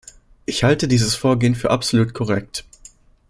Ich halte dieses Vorgehen für absolut korrekt.